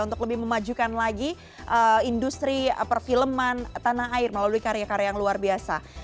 untuk lebih memajukan lagi industri perfilman tanah air melalui karya karya yang luar biasa